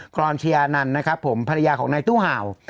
กรอนชายานันต์นะครับผมภรรยาของนายตู้เห่า